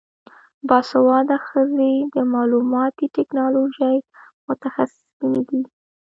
باسواده ښځې د معلوماتي ټیکنالوژۍ متخصصینې دي.